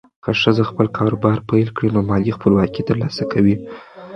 که ښځه خپل کاروبار پیل کړي، نو مالي خپلواکي ترلاسه کوي.